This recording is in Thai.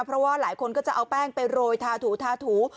เพราะว่าหลายคนก็จะเอาแป้งไปโรยทาถูทาถู